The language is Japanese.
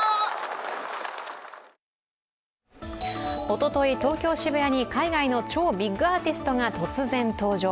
おととい、東京・渋谷に海外の超ビッグアーティストが突然登場。